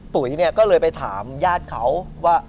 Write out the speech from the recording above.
ปุ๋ยเนี่ยก็เลยไปถามญาติเขาว่า